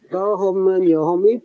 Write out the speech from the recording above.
có nhiều hôm ít